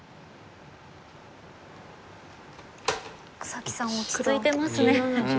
草木さん落ち着いてますね。